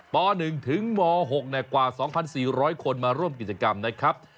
ป๑ถึงม๖กว่า๒๔๐๐คนมาร่วมกิจกรรมนะครับ